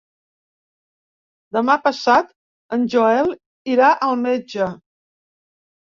Demà passat en Joel irà al metge.